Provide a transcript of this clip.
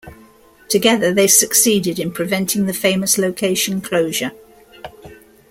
Together they succeeded in preventing the famous location closure.